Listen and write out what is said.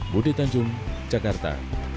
budi tanjung jakarta